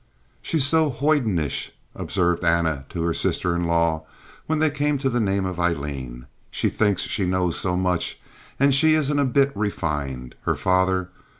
"She's so hoidenish," observed Anna, to her sister in law, when they came to the name of Aileen. "She thinks she knows so much, and she isn't a bit refined. Her father!